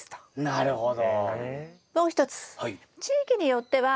なるほど。